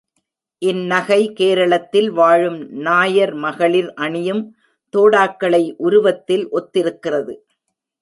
இந் நகை கேரளத்தில் வாழும் நாயர் மகளிர் அணியும் தோடாக்களை உருவத்தில் ஒத்திருக்கிறது.